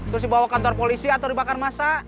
terus dibawa ke kantor polisi atau dibakar massa